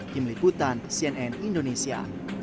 kim liputan cnn indonesia